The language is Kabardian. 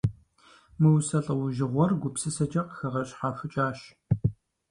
Мы усэ лӀэужьыгъуэр гупсысэкӏэ къыхэгъэщхьэхукӀащ.